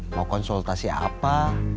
mau konsultasi apa